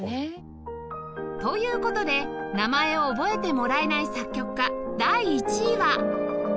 という事で名前を覚えてもらえない作曲家第１位は